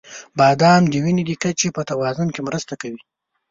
• بادام د وینې د کچې په توازن کې مرسته کوي.